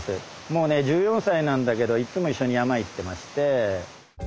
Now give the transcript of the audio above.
もうね１４歳なんだけどいつも一緒に山へ行ってまして。